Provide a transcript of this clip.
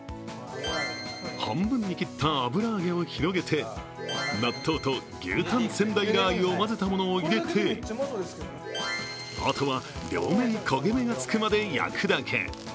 半分に切った油揚げを広げて、納豆と牛タン仙台ラー油を入れて、あとは両面焦げ目がつくまで焼くだけ。